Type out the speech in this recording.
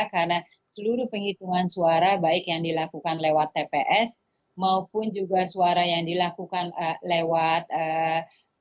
karena seluruh penghitungan suara baik yang dilakukan lewat tps maupun juga suara yang dilakukan lewat por